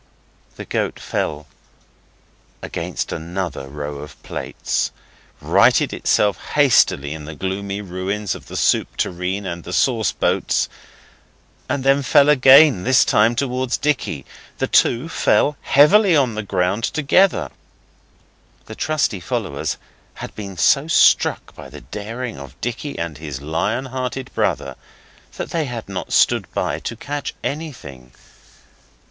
The goat fell against another row of plates, righted itself hastily in the gloomy ruins of the soup tureen and the sauce boats, and then fell again, this time towards Dicky. The two fell heavily on the ground together. The trusty followers had been so struck by the daring of Dicky and his lion hearted brother, that they had not stood by to catch anything.